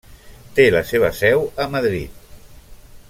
Té la seva seu a Madrid.